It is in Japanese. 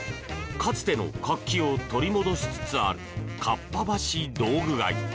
かつての活気を取り戻しつつあるかっぱ橋道具街。